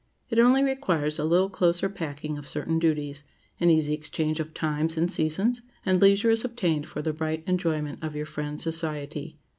It only requires a little closer packing of certain duties, an easy exchange of times and seasons, and leisure is obtained for the right enjoyment of your friend's society.